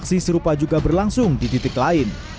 aksi serupa juga berlangsung di titik lain